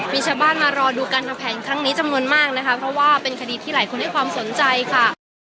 มีชาวบ้านมารอดูการทำแผนครั้งนี้จำนวนมากนะคะเพราะว่าเป็นคดีที่หลายคนให้ความสนใจค่ะ